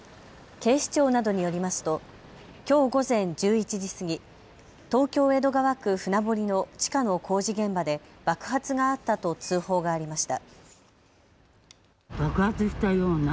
警視庁などによりますときょう午前１１時過ぎ、東京江戸川区船堀の地下の工事現場で爆発があったと通報がありました。